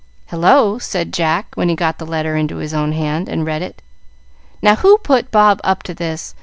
"Hullo!" said Jack, when he got the letter into his own hand and read it. "Now who put Bob up to this?